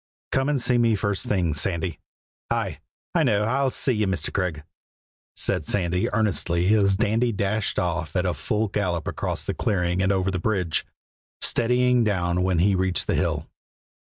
"Come and see me first thing, Sandy." "Aye! I know; I'll see ye, Mr. Craig," said Sandy earnestly as Dandy dashed off at a full gallop across the clearing and over the bridge, steadying down when he reached the hill.